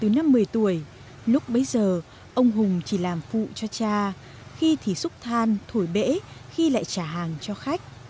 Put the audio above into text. biết đến nghề rèn từ năm một mươi tuổi lúc bấy giờ ông hùng chỉ làm phụ cho cha khi thì xúc than thổi bễ khi lại trả hàng cho khách